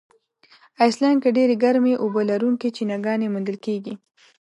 آیسلنډ کې ډېرې ګرمي اوبه لرونکي چینهګانې موندل کیږي.